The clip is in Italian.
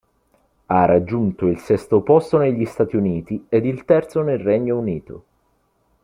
Ha raggiunto il sesto posto negli Stati Uniti ed il terzo nel Regno Unito.